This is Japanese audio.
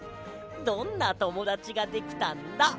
どんなともだちができたんだ？